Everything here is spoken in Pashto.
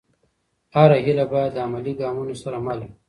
هره هېله باید د عملي ګامونو سره مل وي.